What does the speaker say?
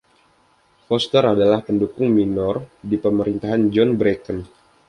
Foster adalah pendukung minor di pemerintahan John Bracken.